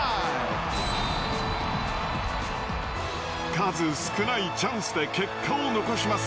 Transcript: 数少ないチャンスで結果を残します。